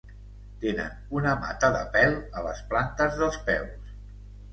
Tenen una mata de pèl a les plantes dels peus.